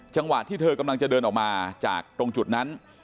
จังหวะที่เธอกำลังจะเดินออกมาจากตรงจุดนั้น